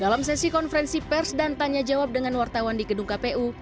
dalam sesi konferensi pers dan tanya jawab dengan wartawan di gedung kpu